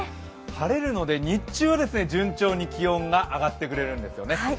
晴れるので日中は順調に気温が上がってくれるんですよね。